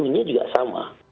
jadinya juga sama